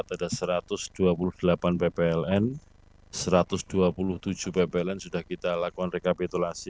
ada satu ratus dua puluh delapan ppln satu ratus dua puluh tujuh ppln sudah kita lakukan rekapitulasi